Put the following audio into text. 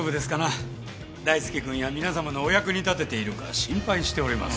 大介君や皆さまのお役に立てているか心配しております。